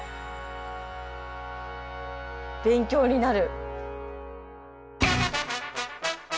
勉強になる。